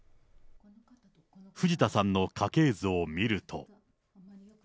藤田さんの家系図を見ると。